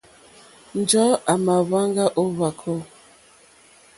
Njɔ̀ɔ́ à mà hwáŋgá ó hwàkó.